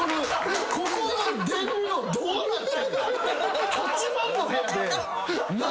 ここの電量どうなってんねん。